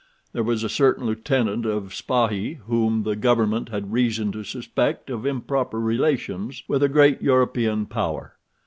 There was a certain lieutenant of spahis whom the government had reason to suspect of improper relations with a great European power.